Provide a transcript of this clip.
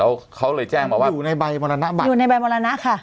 เขาเขาเลยแจ้งมาว่าอยู่ในใบมรณบัตรอยู่ในใบมรณะค่ะ